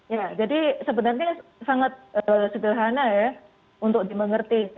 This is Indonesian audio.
ya jadi sebenarnya sangat sederhana ya untuk dimengerti